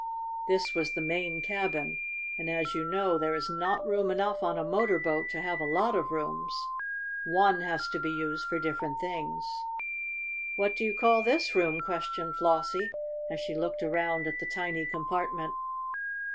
This was the main cabin, and as you know there is not room enough on a motor boat to have a lot of rooms, one has to be used for different things. "What do you call this room?" questioned Flossie, as she looked around at the tiny compartment.